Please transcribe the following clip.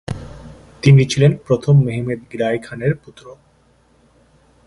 তিনি ছিলেন প্রথম মেহমেদ গিরায় খান এর পুত্র।